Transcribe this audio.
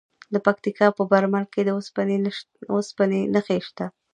د پکتیکا په برمل کې د اوسپنې نښې شته.